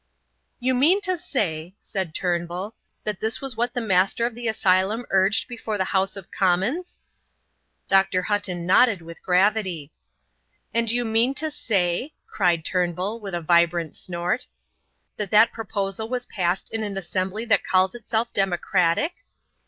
"You mean to say," said Turnbull, "that this was what the Master of the asylum urged before the House of Commons?" Dr. Hutton nodded with gravity. "And you mean to say," cried Turnbull, with a vibrant snort, "that that proposal was passed in an assembly that calls itself democratic?"